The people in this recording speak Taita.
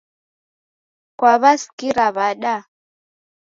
Kwaw'asikira wada?